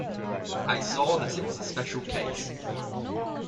I saw that it was a special case.